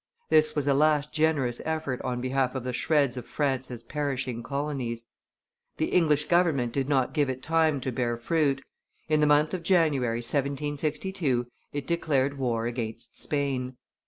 This was a last generous effort on behalf of the shreds of France's perishing colonies. The English government did not give it time to bear fruit; in the month of January, 1762, it declared war against Spain.